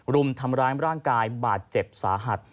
รุมทำร้ายร่างกายบาดเจ็บสาหัส